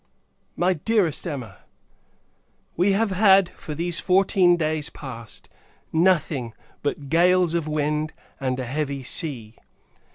MY DEAREST EMMA, We have had, for these fourteen days past, nothing but gales of wind, and a heavy sea.